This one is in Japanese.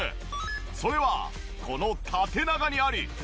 それはこの縦長にあり！